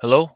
Hello,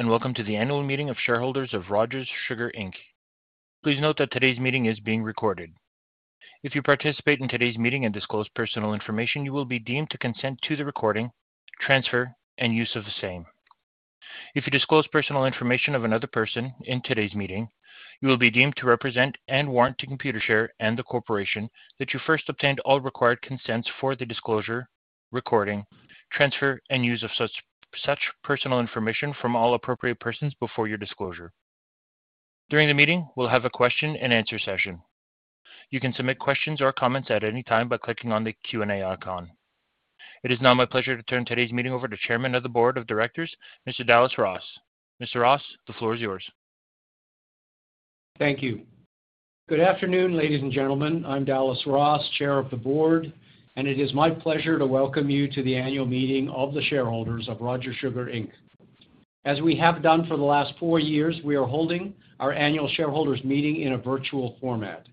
and welcome to the Annual Meeting of Shareholders of Rogers Sugar Inc. Please note that today's meeting is being recorded. If you participate in today's meeting and disclose personal information, you will be deemed to consent to the recording, transfer, and use of the same. If you disclose personal information of another person in today's meeting, you will be deemed to represent and warrant to Computershare and the corporation that you first obtained all required consents for the disclosure, recording, transfer, and use of such personal information from all appropriate persons before your disclosure. During the meeting, we'll have a Q&A session. You can submit questions or comments at any time by clicking on the Q&A icon. It is now my pleasure to turn today's meeting over to Chairman of the Board of Directors, Mr. Dallas Ross. Mr. Ross, the floor is yours. Thank you. Good afternoon, ladies and gentlemen. I'm Dallas Ross, Chair of the Board, and it is my pleasure to welcome you to the Annual Meeting of the Shareholders of Rogers Sugar Inc. As we have done for the last four years, we are holding our annual shareholders' meeting in a virtual format.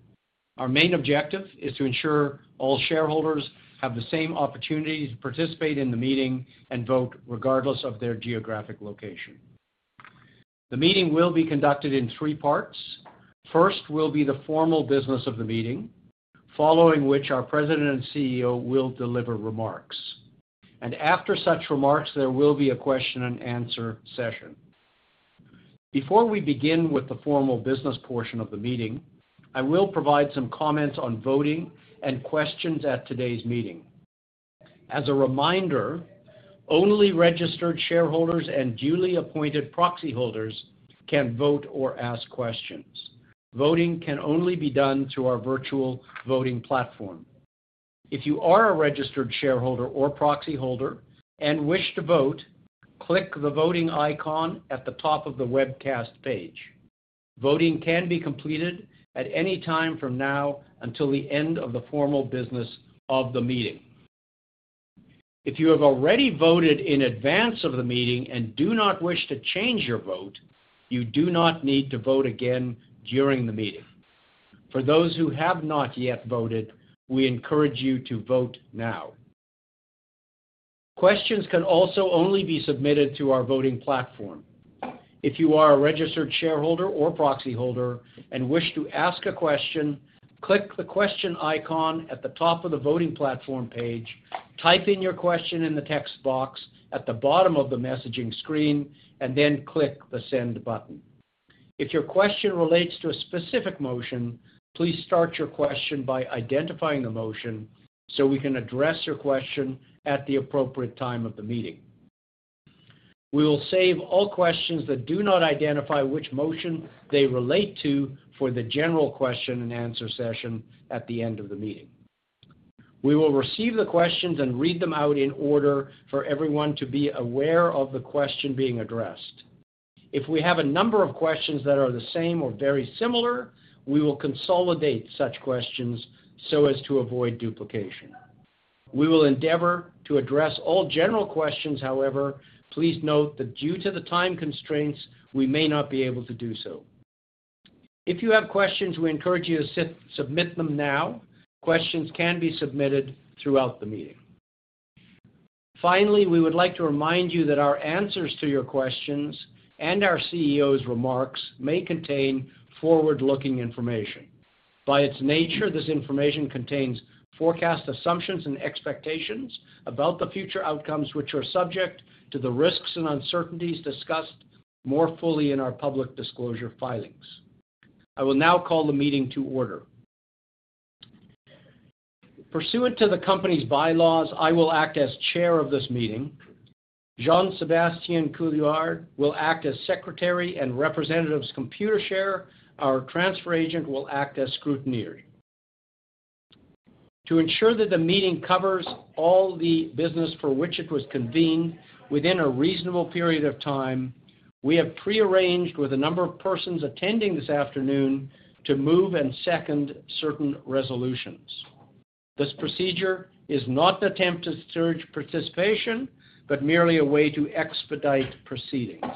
Our main objective is to ensure all shareholders have the same opportunity to participate in the meeting and vote regardless of their geographic location. The meeting will be conducted in three parts. First will be the formal business of the meeting, following which our President and CEO will deliver remarks, and after such remarks, there will be a Q&A session. Before we begin with the formal business portion of the meeting, I will provide some comments on voting and questions at today's meeting. As a reminder, only registered shareholders and duly appointed proxy holders can vote or ask questions. Voting can only be done through our virtual voting platform. If you are a registered shareholder or proxy holder and wish to vote, click the voting icon at the top of the webcast page. Voting can be completed at any time from now until the end of the formal business of the meeting. If you have already voted in advance of the meeting and do not wish to change your vote, you do not need to vote again during the meeting. For those who have not yet voted, we encourage you to vote now. Questions can also only be submitted to our voting platform. If you are a registered shareholder or proxy holder and wish to ask a question, click the question icon at the top of the voting platform page, type in your question in the text box at the bottom of the messaging screen, and then click the send button. If your question relates to a specific motion, please start your question by identifying the motion so we can address your question at the appropriate time of the meeting. We will save all questions that do not identify which motion they relate to for the general Q&A session at the end of the meeting. We will receive the questions and read them out in order for everyone to be aware of the question being addressed. If we have a number of questions that are the same or very similar, we will consolidate such questions so as to avoid duplication. We will endeavor to address all general questions. However, please note that due to the time constraints, we may not be able to do so. If you have questions, we encourage you to submit them now. Questions can be submitted throughout the meeting. Finally, we would like to remind you that our answers to your questions and our CEO's remarks may contain forward-looking information. By its nature, this information contains forecast assumptions and expectations about the future outcomes which are subject to the risks and uncertainties discussed more fully in our public disclosure filings. I will now call the meeting to order. Pursuant to the company's bylaws, I will act as Chair of this meeting. Jean-Sébastien Couillard will act as Secretary and representative, Computershare. Our transfer agent will act as scrutineer. To ensure that the meeting covers all the business for which it was convened within a reasonable period of time, we have prearranged with a number of persons attending this afternoon to move and second certain resolutions. This procedure is not an attempt to curb participation but merely a way to expedite proceedings.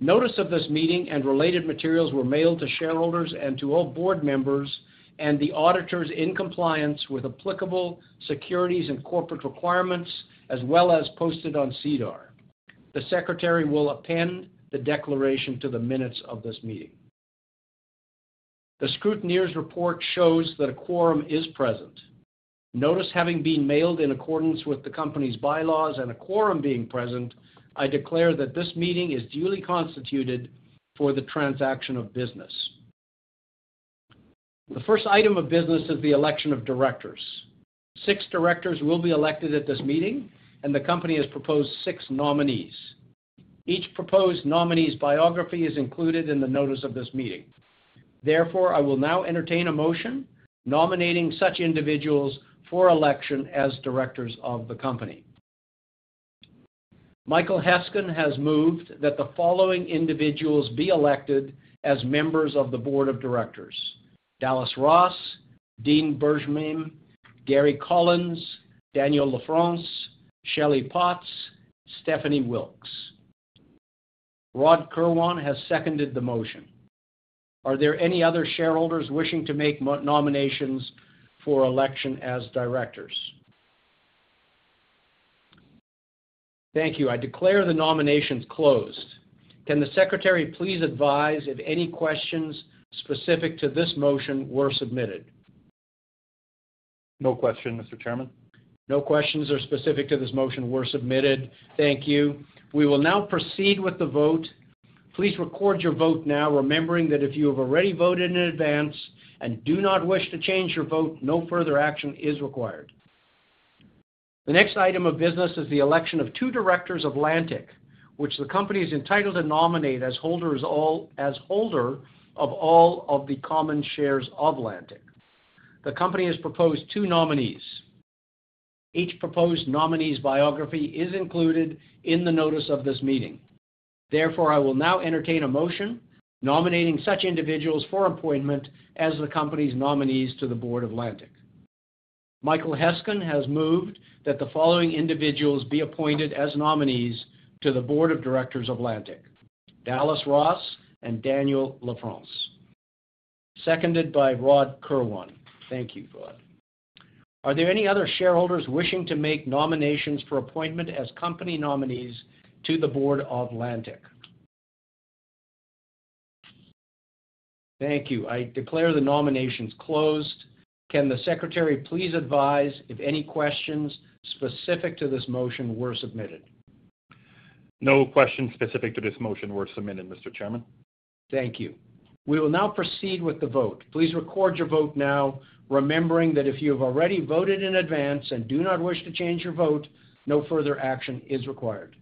Notice of this meeting and related materials were mailed to shareholders and to all board members and the auditors in compliance with applicable securities and corporate requirements, as well as posted on SEDAR. The Secretary will append the declaration to the minutes of this meeting. The scrutineer's report shows that a quorum is present. Notice having been mailed in accordance with the company's bylaws and a quorum being present, I declare that this meeting is duly constituted for the transaction of business. The first item of business is the election of directors. Six directors will be elected at this meeting, and the company has proposed six nominees. Each proposed nominee's biography is included in the notice of this meeting. Therefore, I will now entertain a motion nominating such individuals for election as directors of the company. Michael Heskin has moved that the following individuals be elected as members of the Board of Directors: Dallas Ross, Dean Bergmame, Gary Collins, Daniel Lafrance, Shelley Potts, Stephanie Wilkes. Rod Kirwan has seconded the motion. Are there any other shareholders wishing to make nominations for election as directors? Thank you. I declare the nominations closed. Can the Secretary please advise if any questions specific to this motion were submitted? No questions, Mr. Chairman. No questions specific to this motion were submitted. Thank you. We will now proceed with the vote. Please record your vote now, remembering that if you have already voted in advance and do not wish to change your vote, no further action is required. The next item of business is the election of two directors of Lantic, which the company is entitled to nominate as holder of all of the common shares of Lantic. The company has proposed two nominees. Each proposed nominee's biography is included in the notice of this meeting. Therefore, I will now entertain a motion nominating such individuals for appointment as the company's nominees to the Board of Lantic. Michael Heskin has moved that the following individuals be appointed as nominees to the Board of Directors of Lantic: Dallas Ross and Daniel Lafrance, seconded by Rod Kirwan. Thank you for that. Are there any other shareholders wishing to make nominations for appointment as company nominees to the Board of Lantic? Thank you. I declare the nominations closed. Can the Secretary please advise if any questions specific to this motion were submitted? No questions specific to this motion were submitted, Mr. Chairman. Thank you. We will now proceed with the vote. Please record your vote now, remembering that if you have already voted in advance and do not wish to change your vote, no further action is required.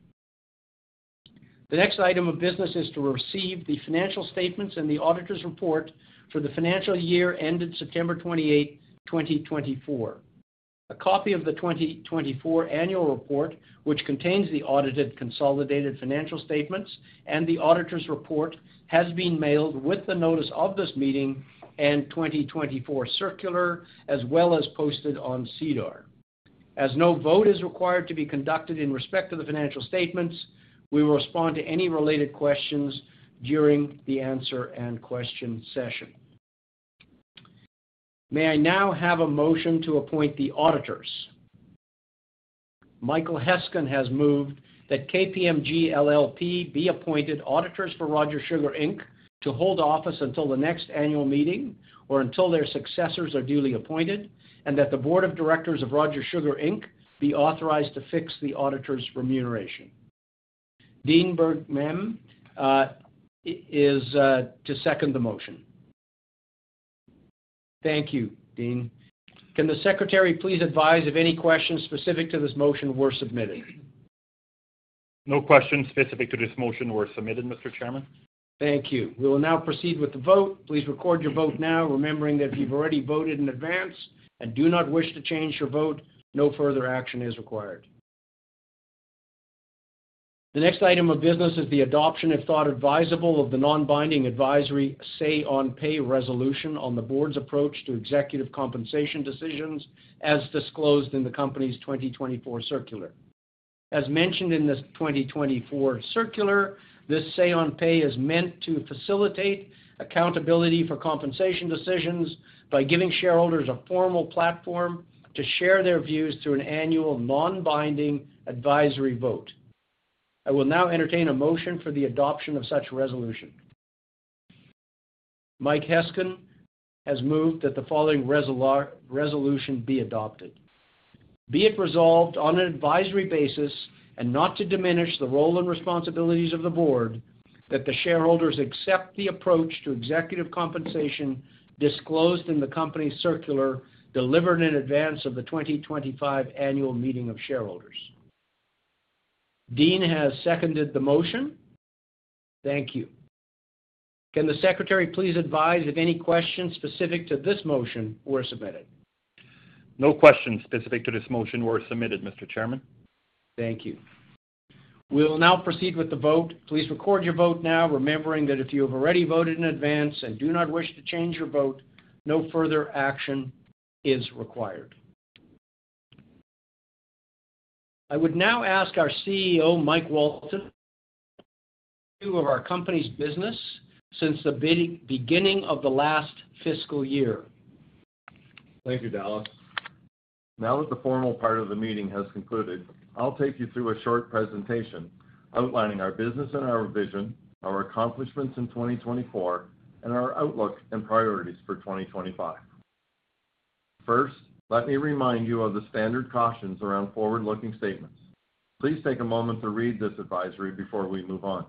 The next item of business is to receive the financial statements and the auditor's report for the financial year ended 28 September 2024. A copy of the 2024 annual report, which contains the audited consolidated financial statements and the auditor's report, has been mailed with the notice of this meeting and 2024 Circular, as well as posted on SEDAR. As no vote is required to be conducted in respect to the financial statements, we will respond to any related questions during the Q&A session. May I now have a motion to appoint the auditors? Michael Heskin has moved that KPMG LLP be appointed auditors for Rogers Sugar Inc. to hold office until the next annual meeting or until their successors are duly appointed, and that the Board of Directors of Rogers Sugar Inc. be authorized to fix the auditor's remuneration. Dean Bergmame is to second the motion. Thank you, Dean. Can the Secretary please advise if any questions specific to this motion were submitted? No questions specific to this motion were submitted, Mr. Chairman. Thank you. We will now proceed with the vote. Please record your vote now, remembering that if you've already voted in advance and do not wish to change your vote, no further action is required. The next item of business is the adoption, if thought advisable, of the non-binding advisory say-on-pay resolution on the board's approach to executive compensation decisions as disclosed in the company's 2024 circular. As mentioned in this 2024 circular, this say-on-pay is meant to facilitate accountability for compensation decisions by giving shareholders a formal platform to share their views through an annual non-binding advisory vote. I will now entertain a motion for the adoption of such resolution. Mike Heskin has moved that the following resolution be adopted: Be it resolved on an advisory basis and not to diminish the role and responsibilities of the board, that the shareholders accept the approach to executive compensation disclosed in the company's circular delivered in advance of the 2025 annual meeting of shareholders. Dean has seconded the motion. Thank you. Can the Secretary please advise if any questions specific to this motion were submitted? No questions specific to this motion were submitted, Mr. Chairman. Thank you. We will now proceed with the vote. Please record your vote now, remembering that if you have already voted in advance and do not wish to change your vote, no further action is required. I would now ask our CEO, Mike Walton, to review our company's business since the beginning of the last fiscal year. Thank you, Dallas. Now that the formal part of the meeting has concluded, I'll take you through a short presentation outlining our business and our vision, our accomplishments in 2024, and our outlook and priorities for 2025. First, let me remind you of the standard cautions around forward-looking statements. Please take a moment to read this advisory before we move on.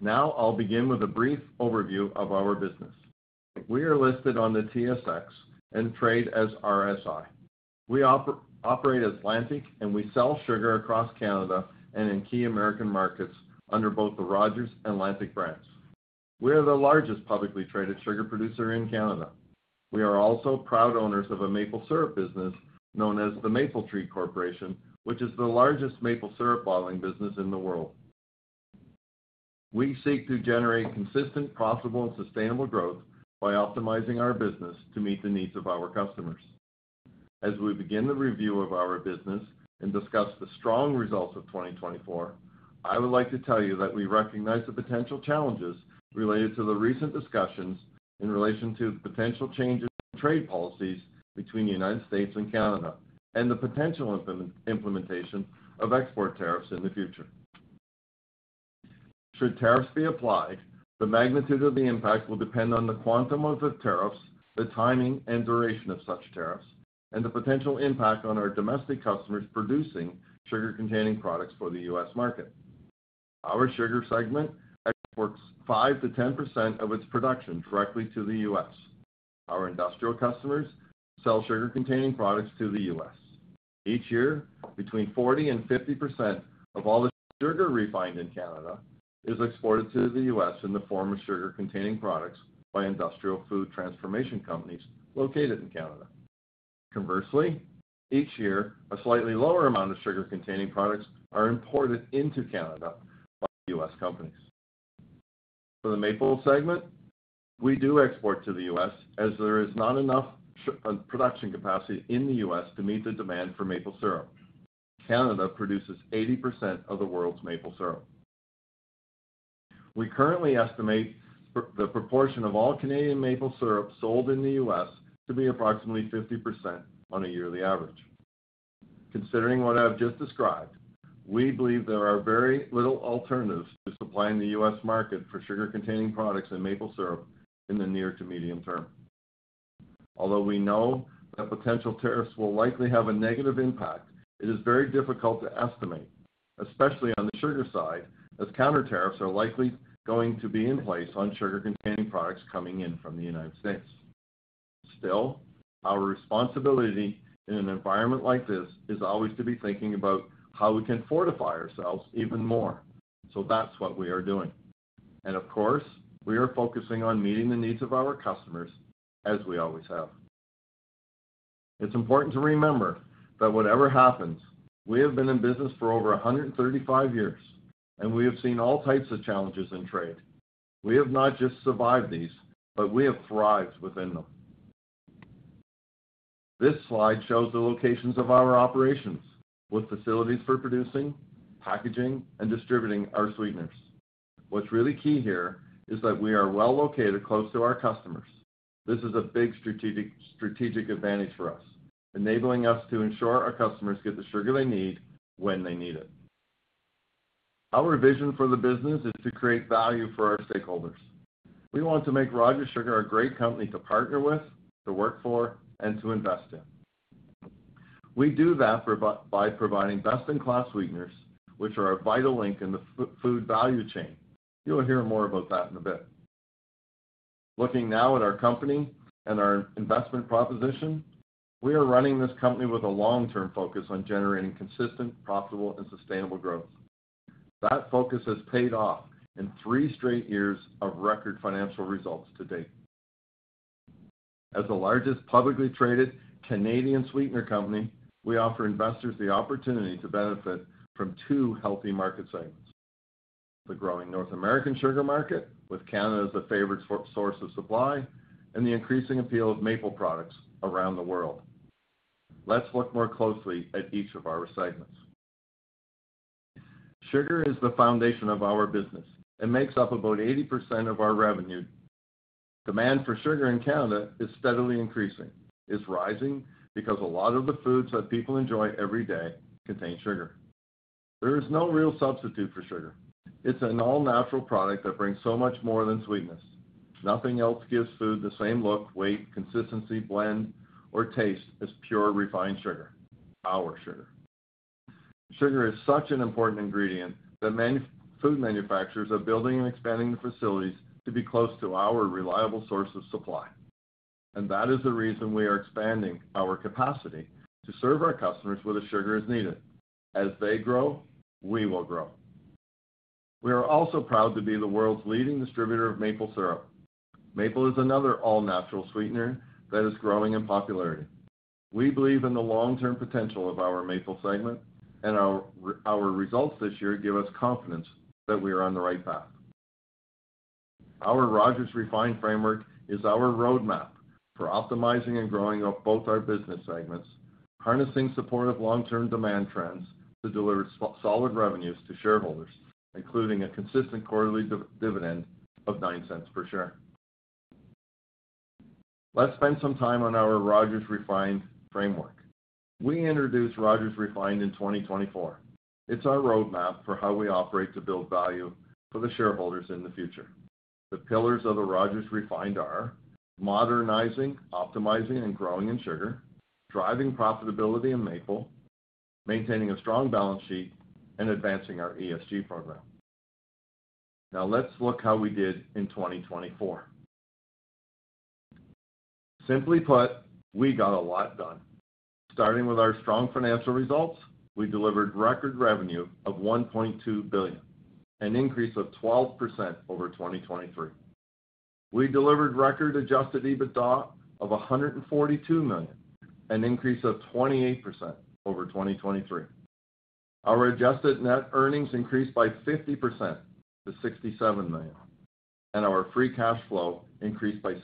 Now I'll begin with a brief overview of our business. We are listed on the TSX and trade as RSI. We operate as Lantic, and we sell sugar across Canada and in key American markets under both the Rogers and Lantic brands. We are the largest publicly traded sugar producer in Canada. We are also proud owners of a maple syrup business known as the Maple Treat Corporation, which is the largest maple syrup bottling business in the world. We seek to generate consistent, profitable, and sustainable growth by optimizing our business to meet the needs of our customers. As we begin the review of our business and discuss the strong results of 2024, I would like to tell you that we recognize the potential challenges related to the recent discussions in relation to the potential changes in trade policies between the United States and Canada and the potential implementation of export tariffs in the future. Should tariffs be applied, the magnitude of the impact will depend on the quantum of the tariffs, the timing and duration of such tariffs, and the potential impact on our domestic customers producing sugar-containing products for the U.S. market. Our sugar segment exports 5% to 10% of its production directly to the U.S. Our industrial customers sell sugar-containing products to the U.S. Each year, between 40% and 50% of all the sugar refined in Canada is exported to the U.S. in the form of sugar-containing products by industrial food transformation companies located in Canada. Conversely, each year, a slightly lower amount of sugar-containing products are imported into Canada by U.S. companies. For the maple segment, we do export to the U.S. as there is not enough production capacity in the U.S. to meet the demand for maple syrup. Canada produces 80% of the world's maple syrup. We currently estimate the proportion of all Canadian maple syrup sold in the U.S. to be approximately 50% on a yearly average. Considering what I've just described, we believe there are very little alternatives to supplying the U.S. market for sugar-containing products and maple syrup in the near to medium term. Although we know that potential tariffs will likely have a negative impact, it is very difficult to estimate, especially on the sugar side, as counter-tariffs are likely going to be in place on sugar-containing products coming in from the United States. Still, our responsibility in an environment like this is always to be thinking about how we can fortify ourselves even more. So that's what we are doing. And of course, we are focusing on meeting the needs of our customers, as we always have. It's important to remember that whatever happens, we have been in business for over 135 years, and we have seen all types of challenges in trade. We have not just survived these, but we have thrived within them. This slide shows the locations of our operations with facilities for producing, packaging, and distributing our sweeteners. What's really key here is that we are well located close to our customers. This is a big strategic advantage for us, enabling us to ensure our customers get the sugar they need when they need it. Our vision for the business is to create value for our stakeholders. We want to make Rogers Sugar a great company to partner with, to work for, and to invest in. We do that by providing best-in-class sweeteners, which are a vital link in the food value chain. You'll hear more about that in a bit. Looking now at our company and our investment proposition, we are running this company with a long-term focus on generating consistent, profitable, and sustainable growth. That focus has paid off in three straight years of record financial results to date. As the largest publicly traded Canadian sweetener company, we offer investors the opportunity to benefit from two healthy market segments: the growing North American sugar market, with Canada as the favorite source of supply, and the increasing appeal of maple products around the world. Let's look more closely at each of our segments. Sugar is the foundation of our business and makes up about 80% of our revenue. Demand for sugar in Canada is steadily increasing. It's rising because a lot of the foods that people enjoy every day contain sugar. There is no real substitute for sugar. It's an all-natural product that brings so much more than sweetness. Nothing else gives food the same look, weight, consistency, blend, or taste as pure refined sugar, our sugar. Sugar is such an important ingredient that many food manufacturers are building and expanding the facilities to be close to our reliable source of supply, and that is the reason we are expanding our capacity to serve our customers with the sugar as needed. As they grow, we will grow. We are also proud to be the world's leading distributor of maple syrup. Maple is another all-natural sweetener that is growing in popularity. We believe in the long-term potential of our maple segment, and our results this year give us confidence that we are on the right path. Our Rogers Refined Framework is our roadmap for optimizing and growing up both our business segments, harnessing supportive long-term demand trends to deliver solid revenues to shareholders, including a consistent quarterly dividend of 0.09 per share. Let's spend some time on our Rogers Refined Framework. We introduced Rogers Refined in 2024. It's our roadmap for how we operate to build value for the shareholders in the future. The pillars of the Rogers Refined are modernizing, optimizing, and growing in sugar, driving profitability in maple, maintaining a strong balance sheet, and advancing our ESG program. Now let's look at how we did in 2024. Simply put, we got a lot done. Starting with our strong financial results, we delivered record revenue of 1.2 billion, an increase of 12% over 2023. We delivered record adjusted EBITDA of 142 million, an increase of 28% over 2023. Our adjusted net earnings increased by 50% to 67 million, and our free cash flow increased by 60%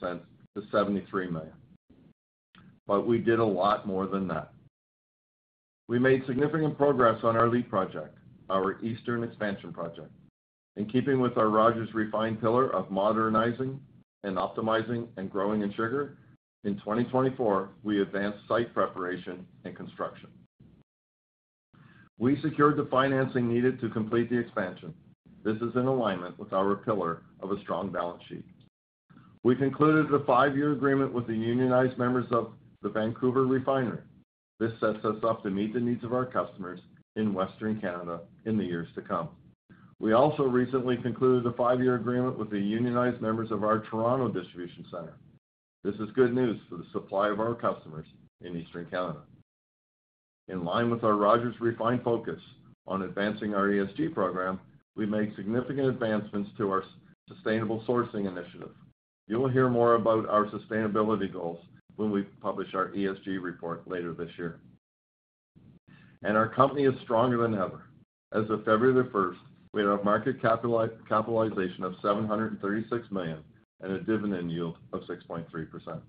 to 73 million. But we did a lot more than that. We made significant progress on our LEAP project, our Eastern Expansion Project. In keeping with our Rogers Refined pillar of modernizing and optimizing and growing in sugar, in 2024, we advanced site preparation and construction. We secured the financing needed to complete the expansion. This is in alignment with our pillar of a strong balance sheet. We concluded a five-year agreement with the unionized members of the Vancouver Refinery. This sets us up to meet the needs of our customers in Western Canada in the years to come. We also recently concluded a five-year agreement with the unionized members of our Toronto Distribution Centre. This is good news for the supply of our customers in Eastern Canada. In line with our Rogers Refined focus on advancing our ESG program, we made significant advancements to our sustainable sourcing initiative. You'll hear more about our sustainability goals when we publish our ESG report later this year, and our company is stronger than ever. As of February the 1st, we had a market capitalization of 736 million and a dividend yield of 6.3%.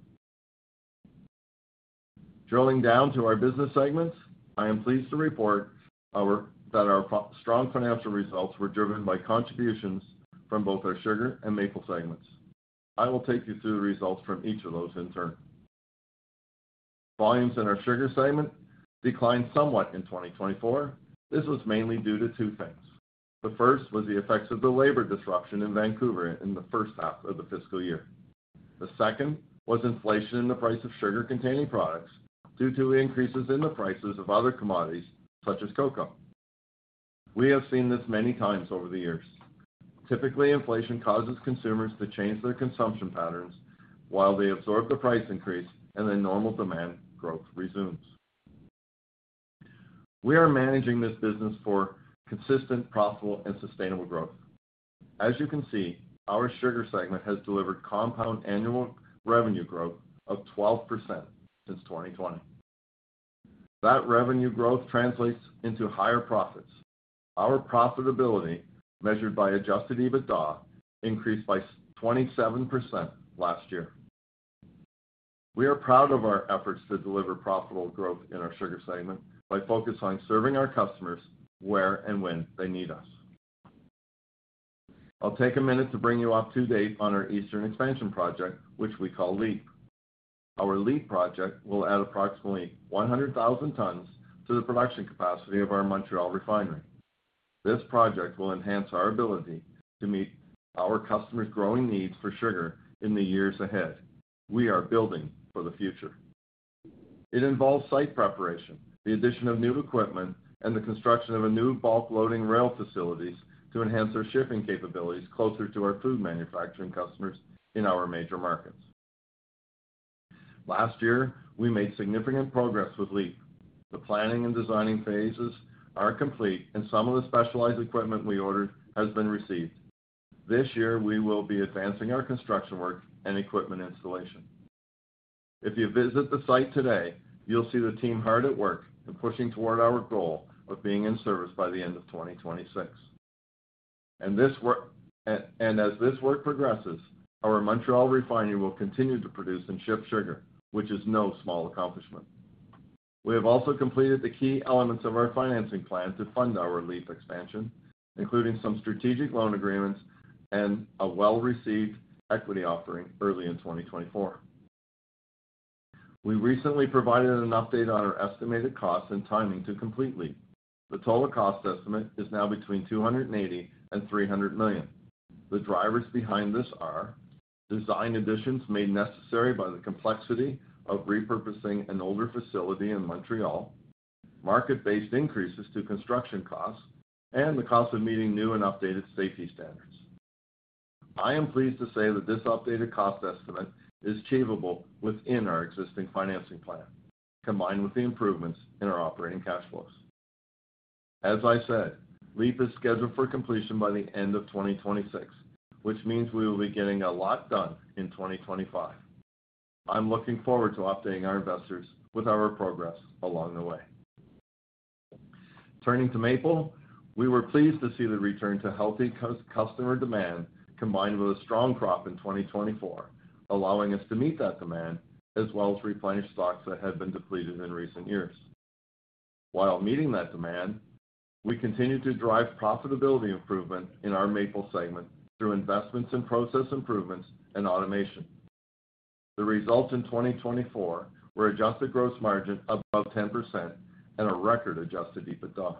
Drilling down to our business segments, I am pleased to report that our strong financial results were driven by contributions from both our sugar and maple segments. I will take you through the results from each of those in turn. Volumes in our sugar segment declined somewhat in 2024. This was mainly due to two things. The first was the effects of the labor disruption in Vancouver in the first half of the fiscal year. The second was inflation in the price of sugar-containing products due to increases in the prices of other commodities such as cocoa. We have seen this many times over the years. Typically, inflation causes consumers to change their consumption patterns while they absorb the price increase and then normal demand growth resumes. We are managing this business for consistent, profitable, and sustainable growth. As you can see, our sugar segment has delivered compound annual revenue growth of 12% since 2020. That revenue growth translates into higher profits. Our profitability, measured by Adjusted EBITDA, increased by 27% last year. We are proud of our efforts to deliver profitable growth in our sugar segment by focusing on serving our customers where and when they need us. I'll take a minute to bring you up to date on our Eastern Expansion Project, which we call LEAP. Our LEAP project will add approximately 100,000 tons to the production capacity of our Montreal Refinery. This project will enhance our ability to meet our customers' growing needs for sugar in the years ahead. We are building for the future. It involves site preparation, the addition of new equipment, and the construction of new bulk loading rail facilities to enhance our shipping capabilities closer to our food manufacturing customers in our major markets. Last year, we made significant progress with LEAP. The planning and designing phases are complete, and some of the specialized equipment we ordered has been received. This year, we will be advancing our construction work and equipment installation. If you visit the site today, you'll see the team hard at work and pushing toward our goal of being in service by the end of 2026, and as this work progresses, our Montreal Refinery will continue to produce and ship sugar, which is no small accomplishment. We have also completed the key elements of our financing plan to fund our LEAP expansion, including some strategic loan agreements and a well-received equity offering early in 2024. We recently provided an update on our estimated costs and timing to complete LEAP. The total cost estimate is now between 280 million and 300 million. The drivers behind this are design additions made necessary by the complexity of repurposing an older facility in Montreal, market-based increases to construction costs, and the cost of meeting new and updated safety standards. I am pleased to say that this updated cost estimate is achievable within our existing financing plan, combined with the improvements in our operating cash flows. As I said, LEAP is scheduled for completion by the end of 2026, which means we will be getting a lot done in 2025. I'm looking forward to updating our investors with our progress along the way. Turning to maple, we were pleased to see the return to healthy customer demand combined with a strong crop in 2024, allowing us to meet that demand as well as replenish stocks that had been depleted in recent years. While meeting that demand, we continue to drive profitability improvement in our maple segment through investments in process improvements and automation. The results in 2024 were adjusted gross margin above 10% and a record adjusted EBITDA.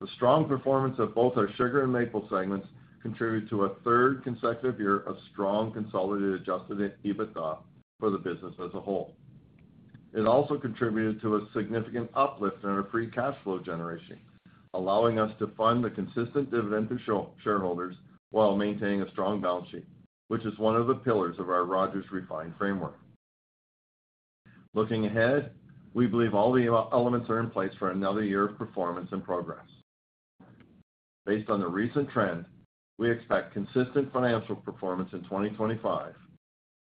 The strong performance of both our sugar and maple segments contributed to a third consecutive year of strong consolidated adjusted EBITDA for the business as a whole. It also contributed to a significant uplift in our free cash flow generation, allowing us to fund the consistent dividend to shareholders while maintaining a strong balance sheet, which is one of the pillars of our Rogers Refined Framework. Looking ahead, we believe all the elements are in place for another year of performance and progress. Based on the recent trend, we expect consistent financial performance in 2025,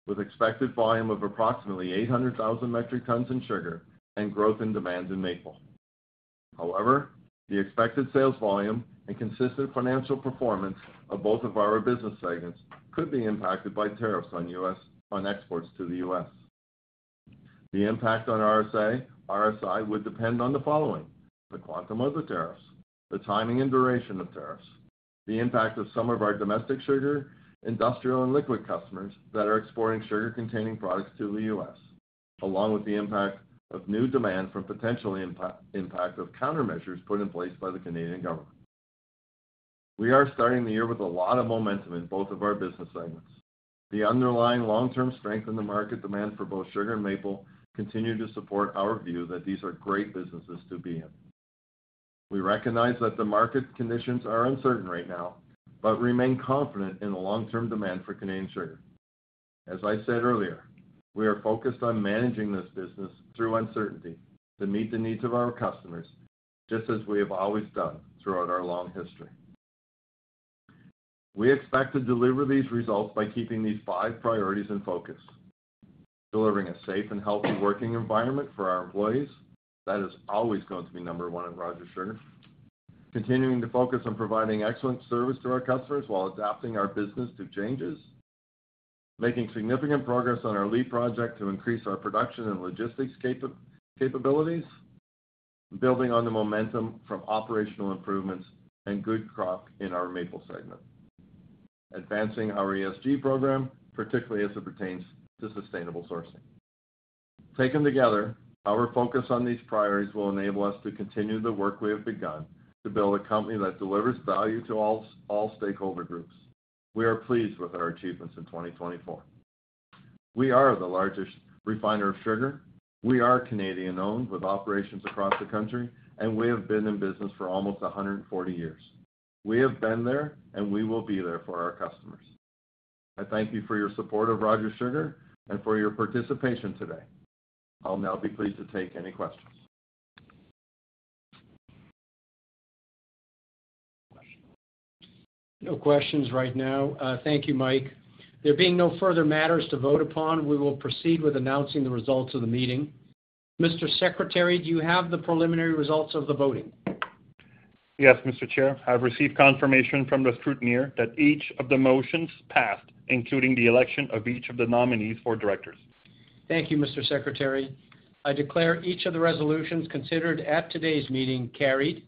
with expected volume of approximately 800,000 metric tons in sugar and growth in demand in maple. However, the expected sales volume and consistent financial performance of both of our business segments could be impacted by tariffs on exports to the U.S. The impact on RSI would depend on the following: the quantum of the tariffs, the timing and duration of tariffs, the impact of some of our domestic sugar, industrial, and liquid customers that are exporting sugar-containing products to the U.S., along with the impact of new demand from potential impact of countermeasures put in place by the Canadian government. We are starting the year with a lot of momentum in both of our business segments. The underlying long-term strength in the market demand for both sugar and maple continues to support our view that these are great businesses to be in. We recognize that the market conditions are uncertain right now, but remain confident in the long-term demand for Canadian sugar. As I said earlier, we are focused on managing this business through uncertainty to meet the needs of our customers, just as we have always done throughout our long history. We expect to deliver these results by keeping these five priorities in focus: delivering a safe and healthy working environment for our employees. That is always going to be number one at Rogers Sugar. Continuing to focus on providing excellent service to our customers while adapting our business to changes. Making significant progress on our LEAP project to increase our production and logistics capabilities. Building on the momentum from operational improvements and good crop in our maple segment. Advancing our ESG program, particularly as it pertains to sustainable sourcing. Taken together, our focus on these priorities will enable us to continue the work we have begun to build a company that delivers value to all stakeholder groups. We are pleased with our achievements in 2024. We are the largest refiner of sugar. We are Canadian-owned with operations across the country, and we have been in business for almost 140 years. We have been there, and we will be there for our customers. I thank you for your support of Rogers Sugar and for your participation today. I'll now be pleased to take any questions. No questions right now. Thank you, Mike. There being no further matters to vote upon, we will proceed with announcing the results of the meeting. Mr. Secretary, do you have the preliminary results of the voting? Yes, Mr. Chair. I've received confirmation from the scrutineer that each of the motions passed, including the election of each of the nominees for directors. Thank you, Mr. Secretary. I declare each of the resolutions considered at today's meeting carried.